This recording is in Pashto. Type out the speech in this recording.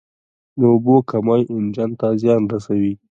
د اوبو کمی انجن ته زیان رسوي.